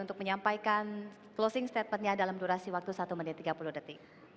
untuk menyampaikan closing statementnya dalam durasi waktu satu menit tiga puluh detik